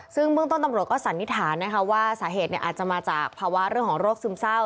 ซึ่งเบื้องต้นตำรวจก็สันนิษฐานนะคะว่าสาเหตุอาจจะมาจากภาวะเรื่องของโรคซึมเศร้า